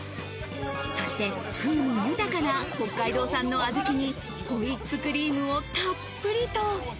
そして風味豊かな北海道産の小豆にホイップクリームをたっぷりと。